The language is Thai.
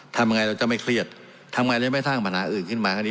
ทำยังไงเราจะไม่เครียดทำยังไงเราจะไม่สร้างปัญหาอื่นขึ้นมา